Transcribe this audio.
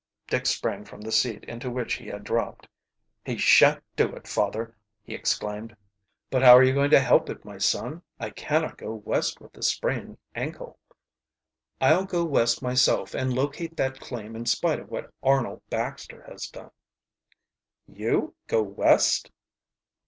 Dick sprang from the seat into which he had dropped. "He shan't do it, father!" he exclaimed. "But how are you going to help it, my son? I cannot go West with this sprained ankle." "I'll go West myself and locate that claim in spite of what Arnold Baxter has done." "You go West?"